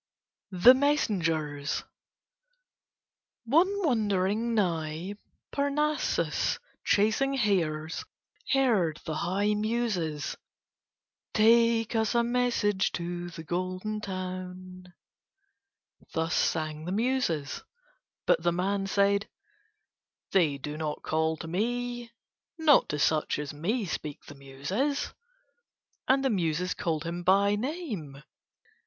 THE MESSENGERS One wandering nigh Parnassus chasing hares heard the high Muses. "Take us a message to the Golden Town." Thus sang the Muses. But the man said: "They do not call to me. Not to such as me speak the Muses." And the Muses called him by name.